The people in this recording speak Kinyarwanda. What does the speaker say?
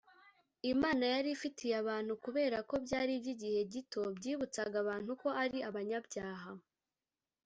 imana yari ifitiye abantu kubera ko byari iby’ igihe gito byibutsaga abantu ko ari abanyabyaha